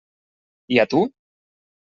I a tu?